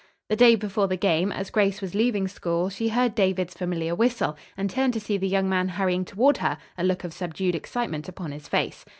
The day before the game, as Grace was leaving school, she heard David's familiar whistle and turned to see the young man hurrying toward her, a look of subdued excitement upon his face.